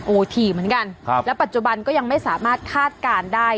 ถี่เหมือนกันและปัจจุบันก็ยังไม่สามารถคาดการณ์ได้